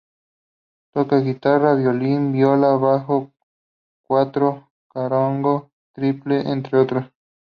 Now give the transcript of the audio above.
Toca guitarra, violín, viola, bajo, cuatro, charango, tiple, entre otros.